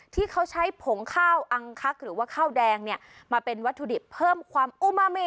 ที่เค้าใช้ผงข้าวอางคักหรือข้าวแดงมาเป็นวัตถุดิบเพิ่มความอุมามิ